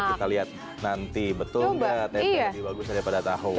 coba kita lihat nanti betul nggak tempe lebih bagus daripada tahu